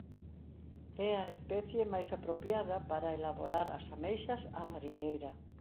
É a especie máis apropiada para elaborar as ameixas á mariñeira.